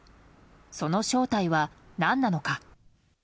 その正体は何なのか。